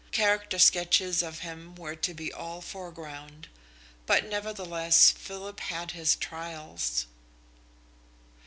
Character sketches of him were to be all foreground. But, nevertheless, Philip had his trials.